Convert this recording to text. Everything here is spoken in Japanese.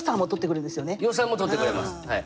予算もとってくれますはい。